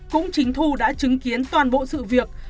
cũng chính thu đã chứng kiến toàn bộ sự việc